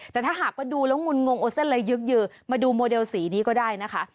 แต่ถ้าหากดูแล้วงุลงงเอาเส้นอะไรยึกมาดูโมเดลสีนี้ก็ได้นะคะ